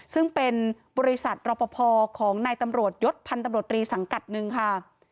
ซึ่งเป็นบริษัทรอปภของนายตำรวจยศพันธ์ตำรวจรีสังกัดหนึ่งค่ะ